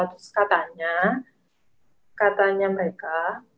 terus katanya katanya mereka